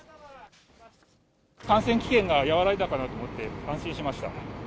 感染危険が和らいだかなと思って安心しました。